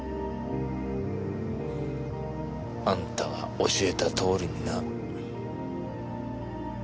あんたが教えた通りにな。